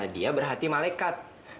karena dia berhati malekat